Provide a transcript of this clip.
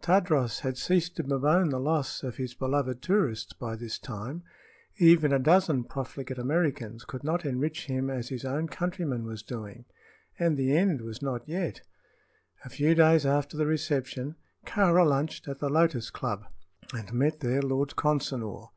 Tadros had ceased to bemoan the loss of his beloved tourists by this time. Even a dozen profligate Americans could not enrich him as his own countryman was doing. And the end was not yet. A few days after the reception Kāra lunched at the Lotus Club and met there Lord Consinor.